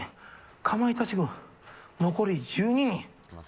かまいたち軍、残り１２人。